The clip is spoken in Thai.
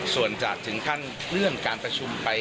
ส่วนจะถึงขั้นเลื่อนการประชุมไป